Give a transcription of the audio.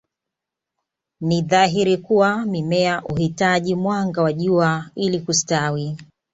Ni dhahiri kuwa Mimea huitaji mwanga wa jua ili kustawi